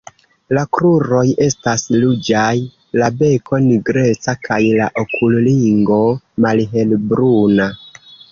La kruroj estas ruĝaj, la beko nigreca kaj la okulringo malhelbruna.